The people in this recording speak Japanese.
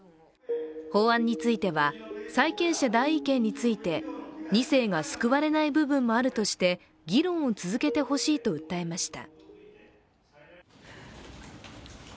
法案については、債権者代位権について２世が救われない部分もあるとして議論を続けてほしいと訴えました。